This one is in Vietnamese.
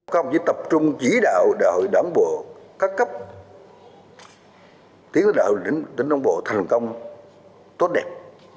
không chỉ tập trung chỉ đạo đội đảng bộ cấp cấp tiến hướng đội đảng bộ thành công tốt đẹp